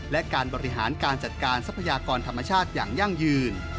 และการบริหารการจัดการทรัพยากรธรรมชาติอย่างยั่งยืน